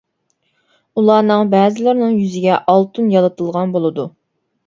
ئۇلارنىڭ بەزىلىرىنىڭ يۈزىگە ئالتۇن يالىتىلغان بولىدۇ.